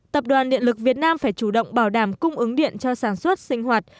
tập đoàn điện lực việt nam phải chủ động bảo đảm cung ứng điện cho sản xuất sinh hoạt